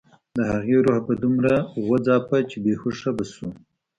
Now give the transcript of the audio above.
د هغې روح به دومره وځاپه چې بې هوښه به شوه